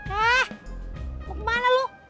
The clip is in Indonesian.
eh kemana lu